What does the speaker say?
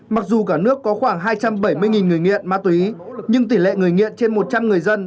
mặc dù cả nước có khoảng hai trăm bảy mươi người nghiện ma túy nhưng tỷ lệ người nghiện trên một trăm linh người dân